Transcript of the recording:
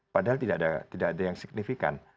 padahal tidak ada yang signifikan